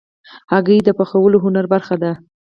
هګۍ د پخلي هنر برخه ده.